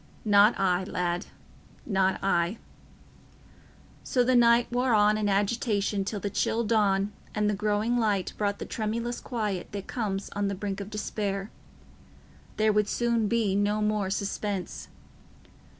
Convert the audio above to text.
"Not I, lad—not I." So the night wore on in agitation till the chill dawn and the growing light brought the tremulous quiet that comes on the brink of despair. There would soon be no more suspense.